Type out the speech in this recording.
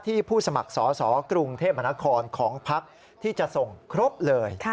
ที่ผู้สมัครสอบกรุงเทพฯณครของภักรณ์ที่จะส่งครบเลย